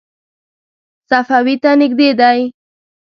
صفوي ته نږدې دی.